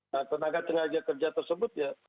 nah tenaga tenaga kerja tersebut ya